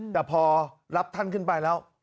แต่พอรับท่านขึ้นไปแล้ว